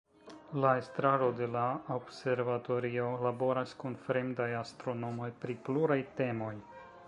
La estraro de la observatorio laboras kun fremdaj astronomoj pri pluraj temoj.